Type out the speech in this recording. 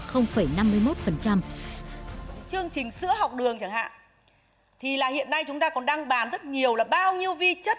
chương trình sữa học đường chẳng hạn thì hiện nay chúng ta còn đang bán rất nhiều là bao nhiêu vi chất